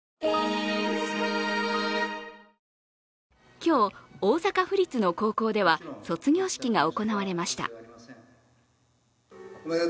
今日、大阪府立の高校では卒業式が行われました。